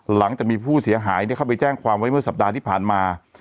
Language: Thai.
หลังจากมีผู้เสียหายได้เข้าไปแจ้งความไว้เมื่อสัปดาห์ที่ผ่านมา